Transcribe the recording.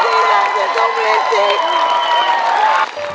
พี่น้องจะต้องเล่นจริง